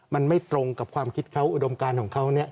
มันไม่ตรงกับความคิดเขาอุดมการของเขาเนี่ย